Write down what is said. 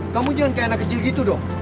kamu jangan kayak anak kecil gitu dong